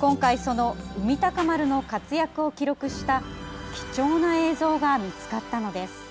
今回、その「海鷹丸」の活躍を記録した貴重な映像が見つかったのです。